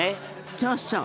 そうそう。